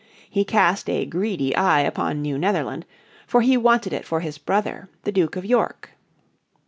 He cast a greedy eye upon New Netherland, for he wanted it for his brother, the Duke of York.